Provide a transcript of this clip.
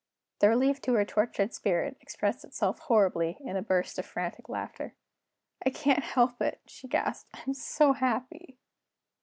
The relief to her tortured spirit expressed itself horribly in a burst of frantic laughter. "I can't help it," she gasped; "I'm so happy."